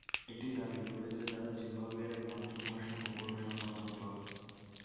এটি দাবি করে যে, তারা জিম্বাবুয়ের একমাত্র ভারসাম্যপূর্ণ সংবাদপত্র।